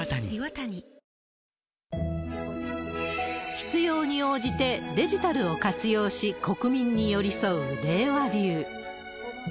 必要に応じてデジタルを活用し、国民に寄り添う令和流。